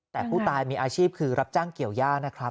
แต่ผู้ตายมีอาชีพคือรับจ้างเกี่ยวย่านะครับ